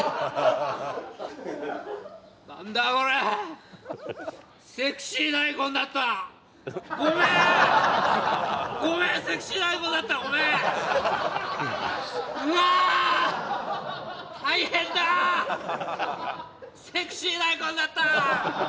何だこれセクシー大根だったごめーんごめんセクシー大根だったごめんうわーっ大変だーっセクシー大根だったー！